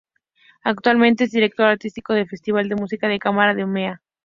Actualmente es director artístico del Festival de Música de Cámara de Umeå.